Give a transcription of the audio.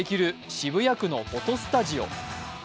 渋谷区のフォトスタジオ。